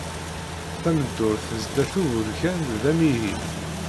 Tameddurt sdat uburkan d amihi.